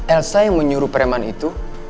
elsa yang menyuruh preman itu